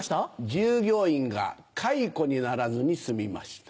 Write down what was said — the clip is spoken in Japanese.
従業員がカイコにならずに済みました。